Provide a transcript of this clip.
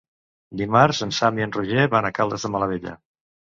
Dimarts en Sam i en Roger van a Caldes de Malavella.